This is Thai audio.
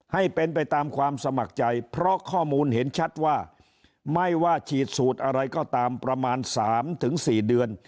ให้เป็นไปตามความสมัครใจเพราะข้อมูลเห็นชัดว่าไม่ว่าฉีดสูตรอะไรก็ตามประมาณ๓๔เดือน